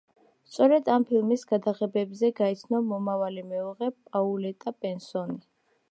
სწორედ ამ ფილმის გადაღებებზე გაიცნო მომავალი მეუღლე პაულეტა პერსონი.